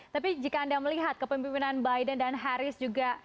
tapi jika anda melihat kepemimpinan biden dan harris juga